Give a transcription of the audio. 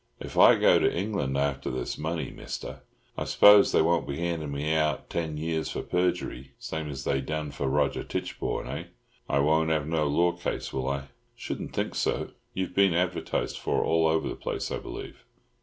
"If I go to England after this money, Mister, I suppose they won't be handin' me out ten years for perjury, same as they done for Roger Tichborne, eh? I won't have no law case, will I?" "Shouldn't think so. You've been advertised for all over the place, I believe."